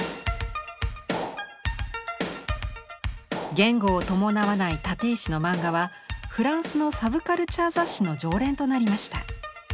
言語を伴わない立石のマンガはフランスのサブカルチャー雑誌の常連となりました。